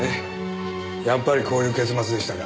やっぱりこういう結末でしたか。